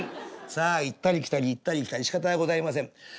さあ行ったり来たり行ったり来たりしかたがございません。